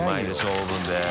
オーブンで森田）